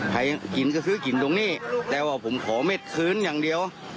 กินก็ซื้อกินตรงนี้แต่ว่าผมขอเม็ดคืนอย่างเดียว